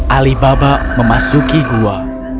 alibaba memasuki gua